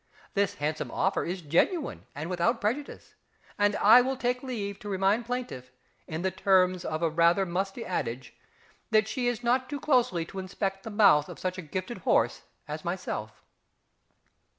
This handsome offer is genuine and without prejudice, and I will take leave to remind plaintiff, in the terms of a rather musty adage, that she is not too closely to inspect the mouth of such a gifted horse as myself.